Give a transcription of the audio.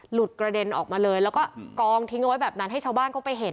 กระเด็นออกมาเลยแล้วก็กองทิ้งเอาไว้แบบนั้นให้ชาวบ้านเข้าไปเห็น